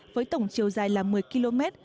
với tổng chiều dài là một mươi km